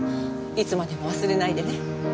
いつまでも忘れないでね。